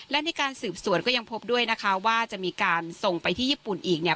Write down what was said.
และในการสืบสวนก็ยังพบด้วยนะคะว่าจะมีการส่งไปที่ญี่ปุ่นอีกเนี่ย